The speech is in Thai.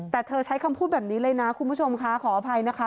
แต่เธอใช้คำพูดแบบนี้เลยนะคุณผู้ชมค่ะขออภัยนะคะ